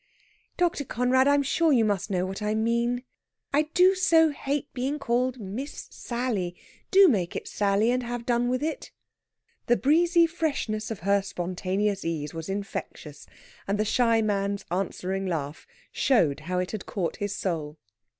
"Dr. Conrad, I'm sure you must know what I mean. I do so hate being called 'Miss Sally.' Do make it 'Sally,' and have done with it." The breezy freshness of her spontaneous ease was infectious, and the shy man's answering laugh showed how it had caught his soul.